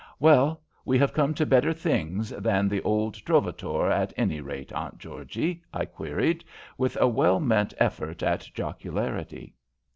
"Well, we have come to better things than the old Trovatore at any rate, Aunt Georgie?" I queried, with a well meant effort at jocularity.